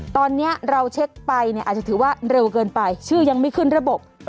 ตอนนี้เราเช็คไปเนี่ยอาจจะถือว่าเร็วเกินไปชื่อยังไม่ขึ้นระบบ